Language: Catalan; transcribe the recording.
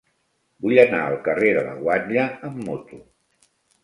Vull anar al carrer de la Guatlla amb moto.